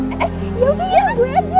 eh yaudah yaudah gue aja